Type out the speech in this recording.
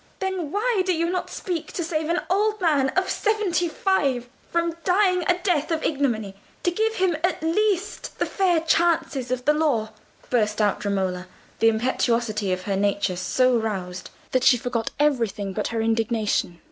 "Then why do you not speak to save an old man of seventy five from dying a death of ignominy—to give him at least the fair chances of the law?" burst out Romola, the impetuosity of her nature so roused that she forgot everything but her indignation.